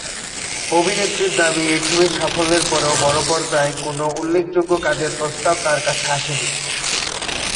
অভিনেত্রীর দাবি এই ছবির সাফল্যের পরেও বড়পর্দায় কোন উল্লেখযোগ্য কাজের প্রস্তাব তার কাছে আসেনি।